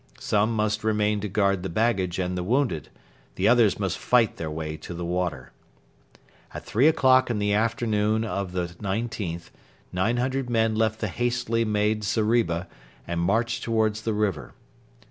Some must remain to guard the baggage and the wounded; the others must fight their way to the water. At three o'clock in the afternoon of the 19th, 900 men left the hastily made zeriba and marched towards the river.